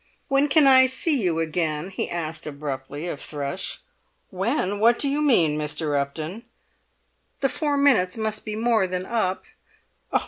"When can I see you again?" he asked abruptly of Thrush. "When? What do you mean, Mr. Upton?" "The four minutes must be more than up."